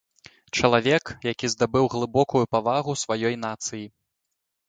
Чалавек, які здабыў глыбокую павагу сваёй нацыі.